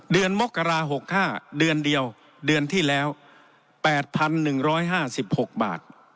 เดือนมกราหกห้าเดือนเดียวเดือนที่แล้วแปดพันหนึ่งร้อยห้าสิบหกบาท